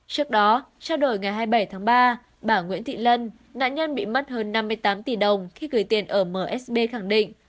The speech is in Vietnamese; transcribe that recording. trước đó trao đổi ngày hai mươi bảy tháng ba bà nguyễn thị lân nạn nhân bị mất hơn năm mươi tám tỷ đồng khi gửi tiền ở msb khẳng định